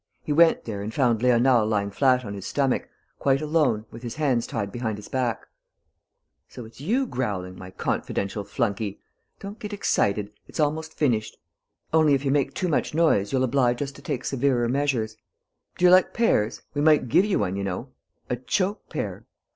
He went there and found Léonard lying flat on his stomach, quite alone, with his hands tied behind his back: "So it's you growling, my confidential flunkey? Don't get excited: it's almost finished. Only, if you make too much noise, you'll oblige us to take severer measures.... Do you like pears? We might give you one, you know: a choke pear!..."